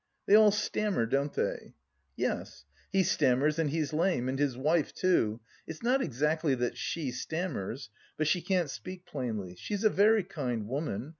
"They all stammer, don't they?" "Yes.... He stammers and he's lame. And his wife, too.... It's not exactly that she stammers, but she can't speak plainly. She is a very kind woman.